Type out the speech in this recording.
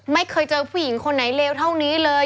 ไม่เคยเจอผู้หญิงคนไหนเลวเท่านี้เลย